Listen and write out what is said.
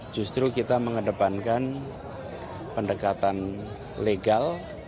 justru kita mengedepankan pendekatan legal